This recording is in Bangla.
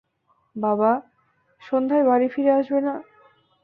বাবা, সন্ধ্যায় বাড়ি ফিরে আসবে না?